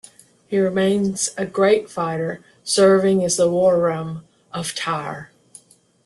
He remains a great fighter, serving as the wararm of Tyr.